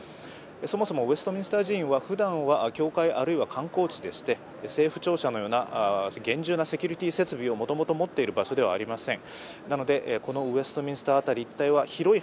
そもそもウェストミンスター寺院はふだんは教会あるいは観光地でして政府庁舎のような厳重なセキュリティー設備をもともと持っている場所ではありません。